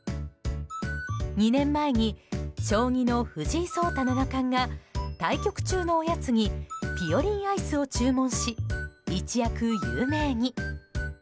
２年前に、将棋の藤井聡太七冠が対局中のおやつにぴよりんアイスを注文し一躍、有名に。